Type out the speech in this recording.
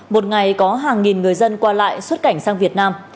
một ngày có hàng nghìn người dân qua lại xuất cảnh sang việt nam